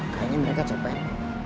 kayaknya mereka cepet